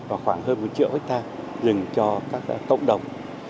và khoảng hơn một triệu hectare rừng cho các cộng đồng